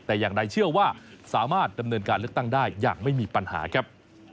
แต่อย่างใดเชื่อว่าสามารถดำเนินการเลือกตั้งได้อย่างไม่มีปัญหาครับ